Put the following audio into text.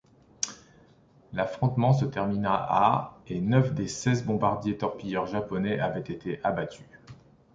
L'affrontement se termina à et neuf des seize bombardiers-torpilleurs japonais avaient été abattus.